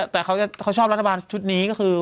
แต่เขาชอบรัฐบาลชุดนี้ก็คือ